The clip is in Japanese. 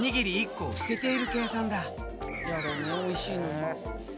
嫌だねおいしいのに。